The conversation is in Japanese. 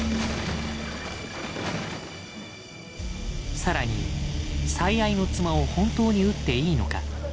更に「最愛の妻を本当に撃っていいのか」。